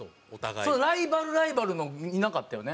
ライバルライバルのいなかったよね。